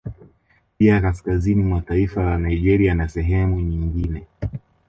Pia kaskazini mwa taifa la Nigeria na sehemu nyigine